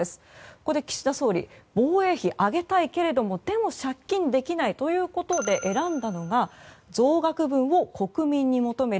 ここで岸田総理防衛費を上げたいけれどもでも借金できないということで選んだのが増額分を国民に求める。